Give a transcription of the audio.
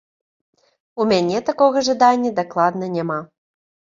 У мяне такога жадання дакладна няма!